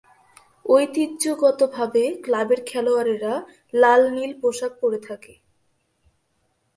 ঐতিহ্যগতভাবে ক্লাবের খেলোয়াড়েরা লাল-নীল পোশাক পরে থাকে।